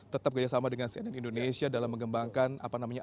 tetap kerjasama dengan cnn indonesia dalam mengembangkan apa namanya